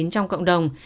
trong cộng đồng